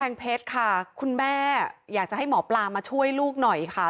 เพชรค่ะคุณแม่อยากจะให้หมอปลามาช่วยลูกหน่อยค่ะ